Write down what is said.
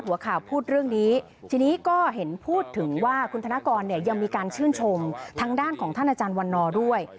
วันนี้ยังมีการชื่นชมทางด้านของท่านอวรด้วย